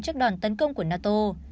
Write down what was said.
trước đoàn tấn công của nato